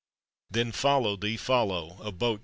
Then follow thee! follow! etc.